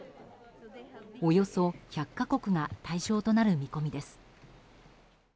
およそ１００か国が対象となる見込みです。